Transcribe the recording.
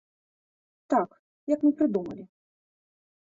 Так, як мы прыдумалі.